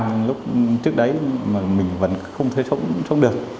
nhưng lúc trước đấy mà mình vẫn không thể sống được